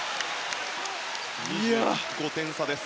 ２５点差です。